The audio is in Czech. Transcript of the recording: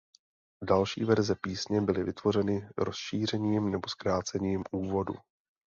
Další verze písně byly vytvořeny rozšířením nebo zkrácením úvodu.